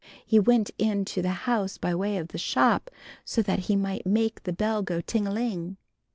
He went in to the house by way of the shop so that he might make the bell go ting a ling.